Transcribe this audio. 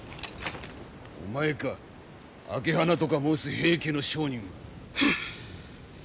お前か朱鼻とか申す平家の商人は。